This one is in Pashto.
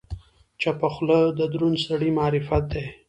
چپه خوله، د دروند سړي معرفت دی.